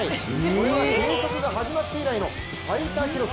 これは計測が始まって以来の最多記録。